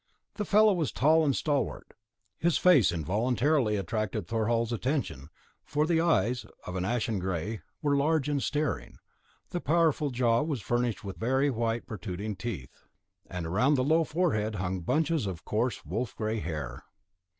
The fellow was tall and stalwart; his face involuntarily attracted Thorhall's attention, for the eyes, of an ashen grey, were large and staring, the powerful jaw was furnished with very white protruding teeth, and around the low forehead hung bunches of coarse wolf grey hair.